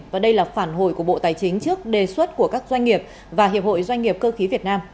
và đây là phản hồi của bộ tài chính trước đề xuất của các doanh nghiệp và hiệp hội doanh nghiệp cơ khí việt nam